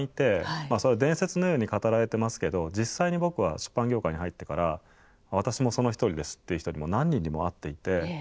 まあそれは伝説のように語られてますけど実際に僕は出版業界に入ってから「私もその一人です」っていう人に何人にも会っていて。